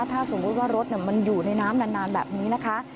ถ้าสมมุติว่ารถมันอยู่ในน้ำนานแบบนี้นะคะ